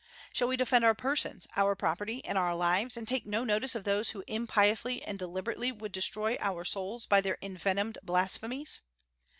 Shall we defend our persons, our property, and our lives, and take no notice of those who impiously and deliberately would destroy our souls by their envenomed blasphemies?